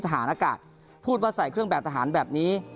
ทหารอากาศพูดว่าใส่เครื่องแบบทหารแบบนี้